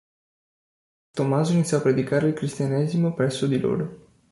Tommaso iniziò a predicare il cristianesimo presso di loro.